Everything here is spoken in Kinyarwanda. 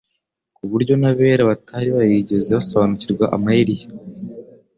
ku buryo n'abera batari barigeze basobanukirwa amayeri ye.